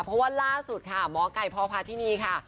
เพราะว่าล่าสุดค่ะหมอไก่พพาธินีค่ะ